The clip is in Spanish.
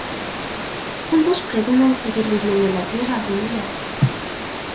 Juntos pretenden seguir viviendo en la Tierra algún día.